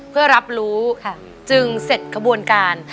เพื่อรับรู้จึงเสร็จขบวนการ